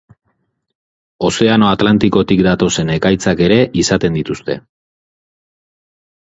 Ozeano Atlantikotik datozen ekaitzak ere izaten dituzte.